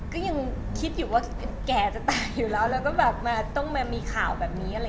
ก็ยังคิดอยู่ว่าแกจะตายอยู่แล้วแล้วก็ต้องมามีข่าวแบบนี้